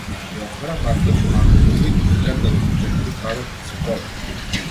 Ги отвора вратите внимателно и, пред да го пречекори прагот, се колеба.